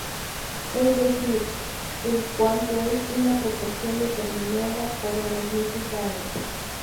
Es decir, el cuanto es una proporción determinada por la magnitud dada.